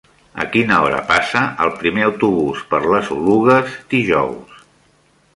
A quina hora passa el primer autobús per les Oluges dijous?